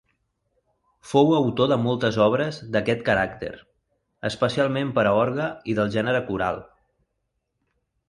Fou autor de moltes obres d'aquest caràcter, especialment per a orgue i del gènere coral.